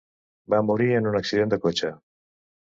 Va morir en un accident de cotxe.